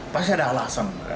pasti ada alasan